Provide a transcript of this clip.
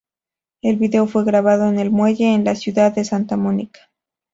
El video fue grabado en el muelle, en la ciudad de Santa Mónica.